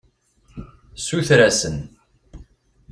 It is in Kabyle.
Suter-asen.